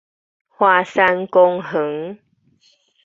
華山公園